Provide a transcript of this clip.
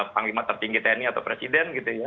panglima tertinggi tni atau presiden